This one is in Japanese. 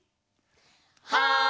はい！